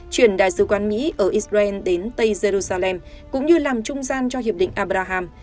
chuyển đại sứ quán mỹ ở israel đến tây jerusalem cũng như làm trung gian cho hiệp định abraham